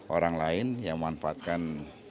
orang lain yang memanfaatkan